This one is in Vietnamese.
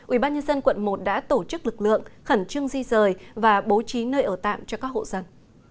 ubnd quận một đã tổ chức lực lượng khẩn trương di rời và bố trí nơi ở tạm cho các hộ dân